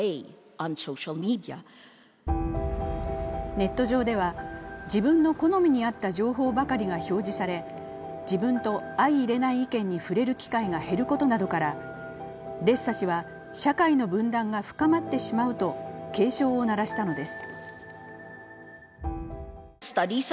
ネット上では自分の好みに合った情報ばかりが表示され自分と相いれない意見に触れる機会が減ることなどからレッサ氏は社会の分断が深まってしまうと警鐘を鳴らしたのです。